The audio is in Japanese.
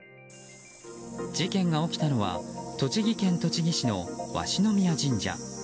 事件が起きたのは栃木県栃木市の鷲宮神社。